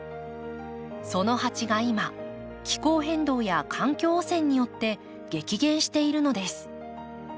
そのハチが今気候変動や環境汚染によって激減しているのです。